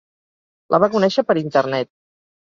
La va conèixer per Internet.